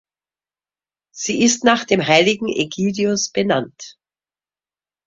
Sie ist nach dem heiligen Ägidius benannt.